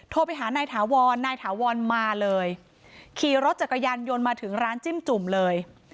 โทรไปหานายถาวรนายถาวรมาเลยขี่รถจักรยานยนต์มาถึงร้านจิ้มจุ่มเลย